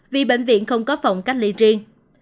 vì bệnh viện không có phòng cách ly riêng